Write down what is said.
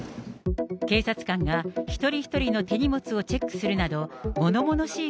警察官が一人一人の手荷物をチェックするなど、ものものしい